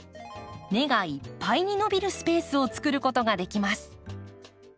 根がいっぱいに伸びるスペースをつくることができます。